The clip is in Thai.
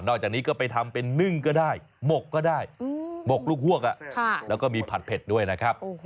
จากนี้ก็ไปทำเป็นนึ่งก็ได้หมกก็ได้หมกลูกฮวกแล้วก็มีผัดเผ็ดด้วยนะครับ